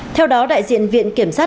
theo đó đại diện viện kiểm sát